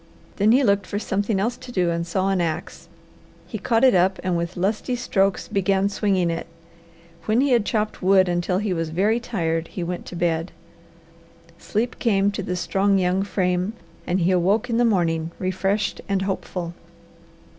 Then he looked for something else to do and saw an ax. He caught it up and with lusty strokes began swinging it. When he had chopped wood until he was very tired he went to bed. Sleep came to the strong, young frame and he awoke in the morning refreshed and hopeful.